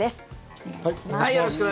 お願いします。